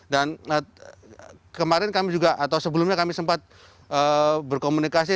dan kemarin kami juga atau sebelumnya kami sempat berkomunikasi